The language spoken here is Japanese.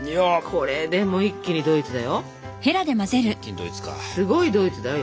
これで一気にドイツか。